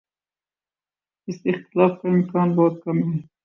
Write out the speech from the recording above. اس سے اختلاف کا امکان بہت کم ہے۔